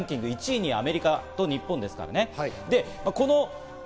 ２位アメリカと日本ですからね。